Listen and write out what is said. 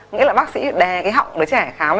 nghĩa là bác sĩ đè cái họng đứa trẻ khám